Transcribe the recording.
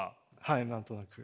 はい何となく。